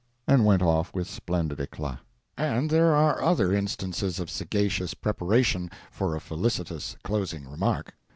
and went off with splendid eclat. And there are other instances of sagacious preparation for a felicitous closing remark.